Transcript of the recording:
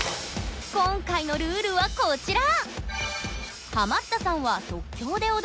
今回のルールはこちら！